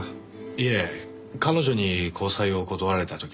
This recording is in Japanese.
いえ彼女に交際を断られた時も。